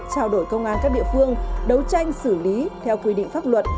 trao đổi công an các địa phương đấu tranh xử lý theo quy định pháp luật